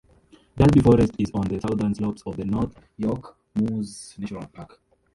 Dalby Forest is on the southern slopes of the North York Moors National Park.